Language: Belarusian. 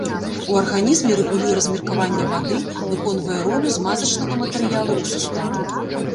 У арганізме рэгулюе размеркаванне вады, выконвае ролю змазачнага матэрыялу ў суставах.